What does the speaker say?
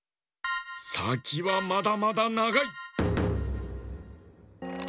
さきはまだまだながい！